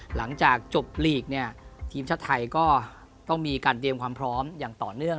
หลังจากจบหลีกเนี่ยทีมชาติไทยก็ต้องมีการเตรียมความพร้อมอย่างต่อเนื่อง